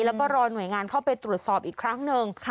แล้วก็รอหน่วยงานเข้าไปตรวจสอบอีกครั้งหนึ่ง